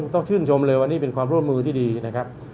ต้องชื่นชมเลยวันนี้เป็นความร่วมมือที่ดีนะครับ